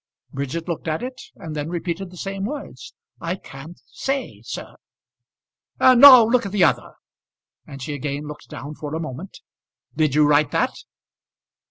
Bridget looked at it, and then repeated the same words "I can't say, sir." "And now look at the other." And she again looked down for a moment. "Did you write that?"